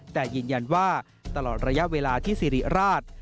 แต่ยืนยันว่าตลอดระยะเวลาที่สิริราช